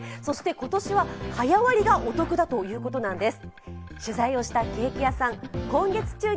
今年は早割りがお得だということなんです。